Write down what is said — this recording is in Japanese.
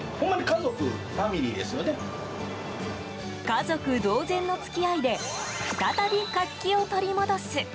家族同然の付き合いで再び、活気を取り戻す。